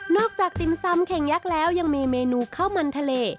จากติ่มซำเข่งยักษ์แล้วยังมีเมนูข้าวมันทะเล